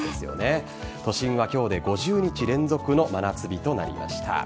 都心は今日で５０日連続の真夏日となりました。